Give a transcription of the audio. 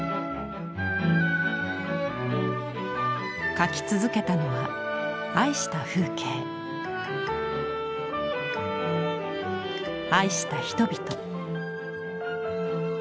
描き続けたのは愛した風景愛した人々。